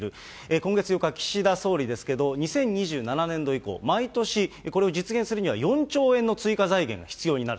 今月８日、岸田総理ですけれども、２０２７年度以降、毎年、これを実現するには４兆円の追加財源が必要になる。